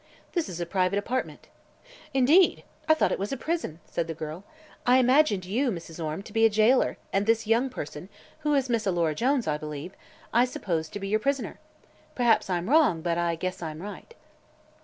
"This is a private apartment." "Indeed! I thought it was a prison," said the girl. "I imagined you, Mrs. Orme, to be a jailer, and this young person who is Miss Alora Jones, I believe I supposed to be your prisoner. Perhaps I'm wrong, but I guess I'm right."